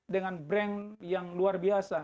dengan brand yang luar biasa